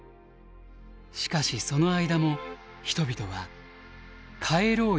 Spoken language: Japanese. しかしその間も人々は「帰ろう！